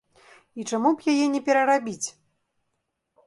І чаму б яе не перарабіць?